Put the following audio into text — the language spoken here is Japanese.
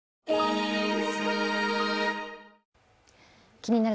「気になる！